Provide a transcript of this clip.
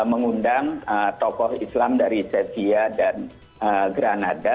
mengundang tokoh islam dari sesia dan granada